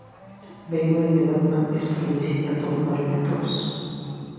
Beware the Batman es producida por Warner Bros.